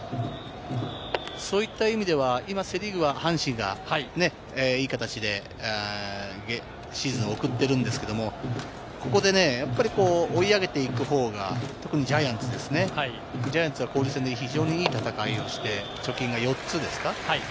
そういった意味では今、セ・リーグは阪神がいい形でシーズンを送っているんですけれど、ここで追い上げていくほうがジャイアンツですね、ジャイアンツは交流戦で非常にいい戦いをして貯金が４つですか。